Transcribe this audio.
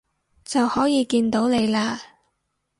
就可以見到你喇